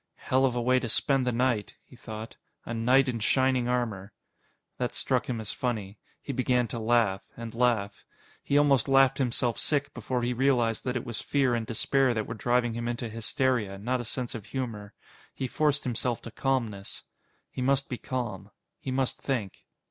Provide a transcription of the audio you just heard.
Hell of a way to spend the night, he thought. A night in shining armor. That struck him as funny. He began to laugh. And laugh. He almost laughed himself sick before he realized that it was fear and despair that were driving him into hysteria, not a sense of humor. He forced himself to calmness. He must be calm. He must think.